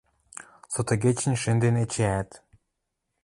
Сотыгечӹн шӹнден эчеӓт.